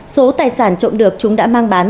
số tài sản trộm được chúng đã mang bán